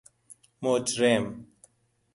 مجرم